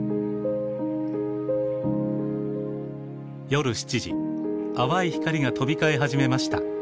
夜７時淡い光が飛び交い始めました。